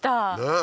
え